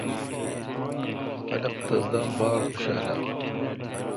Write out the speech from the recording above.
خلق تس دا باڑ خوشال آس۔